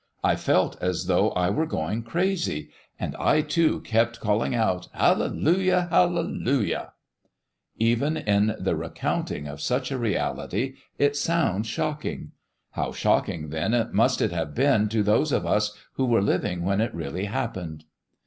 I felt as though I were going crazy, and I, too, kept calling out 'Hallelujah! Hallelujah!'" Even in the recounting of such a reality it sounds shocking. How shocking, then, must it have been to those of us who were living when it really happened.